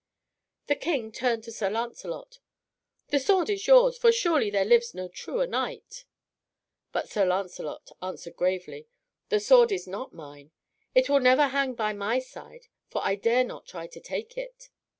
The King turned to Sir Lancelot. "The sword is yours, for surely there lives no truer knight." But Sir Lancelot answered gravely, "The sword is not mine. It will never hang by my side, for I dare not try to take it."